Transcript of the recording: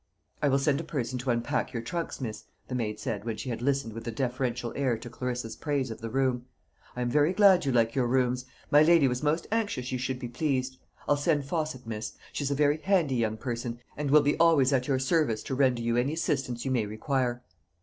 "I will send a person to unpack your trunks, miss," the maid said, when she had listened with a deferential air to Clarissa's praise of the room. "I am very glad you like your rooms; my lady was most anxious you should be pleased. I'll send Fosset miss; she is a very handy young person, and will be always at your service to render you any assistance you may require."